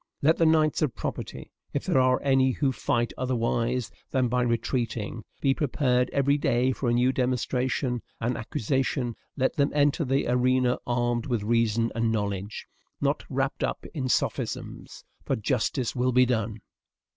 Let the knights of property, if there are any who fight otherwise than by retreating, be prepared every day for a new demonstration and accusation; let them enter the arena armed with reason and knowledge, not wrapped up in sophisms, for justice will be done.